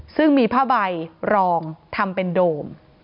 ซึ่งมีผ้าใบรองทำเป็นโดม